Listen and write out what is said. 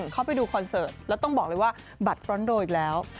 เขาไปดูคอนเสิร์ตแล้วต้องบอกเลยว่าบัตรฟรอนโดอีกแล้ว